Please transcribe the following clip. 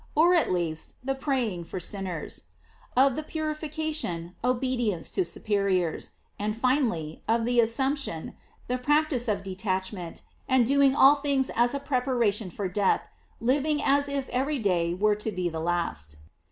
or at least, the praying for sinners; of the Purification, obedience to superiors; and finally, of the As sumption, the practice of detachment, and doing all things as a preparation for death, living as if every day were to be the last.